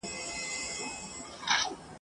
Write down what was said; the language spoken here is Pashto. په دې جنګ کي د اوبو کوهي تر ټولو مهم ول.